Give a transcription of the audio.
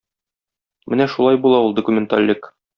Менә шулай була ул документальлек!